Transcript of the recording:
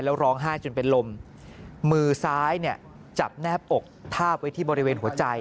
แล้วร้องไห้จนเป็นลมมือซ้ายเนี่ยจับแนบอกทาบไว้ที่บริเวณหัวใจ